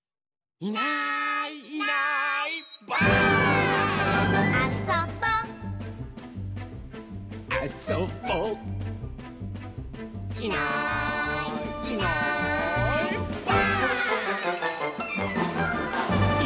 「いないいないいない」